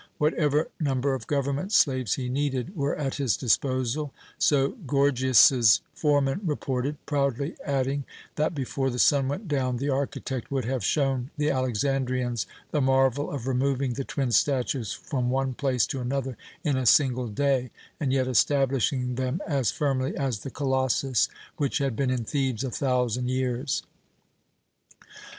Whatever number of government slaves he needed were at his disposal, so Gorgias's foreman reported, proudly adding that before the sun went down, the architect would have shown the Alexandrians the marvel of removing the twin statues from one place to another in a single day, and yet establishing them as firmly as the Colossus which had been in Thebes a thousand years.